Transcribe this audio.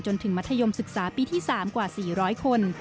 จนถึงมัธยมศึกษาปีที่๓กว่า๔๐๐คน